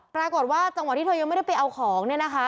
ปรากฏว่าจังหวะที่เธอยังไม่ได้ไปเอาของเนี่ยนะคะ